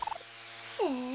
へえ。